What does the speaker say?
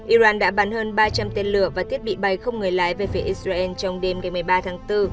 iran đã bắn hơn ba trăm linh tên lửa và thiết bị bay không người lái về phía israel trong đêm ngày một mươi ba tháng bốn